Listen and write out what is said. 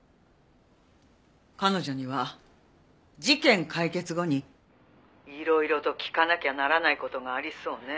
彼女には事件解決後にいろいろと聞かなきゃならない事がありそうね。